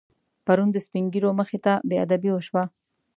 پرون د سپینږیرو مخې ته بېادبي وشوه.